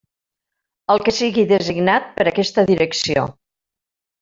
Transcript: El que sigui designat per aquesta Direcció.